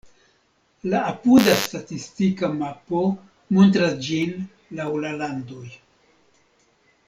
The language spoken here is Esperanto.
La apuda statistika mapo montras ĝin laŭ la landoj.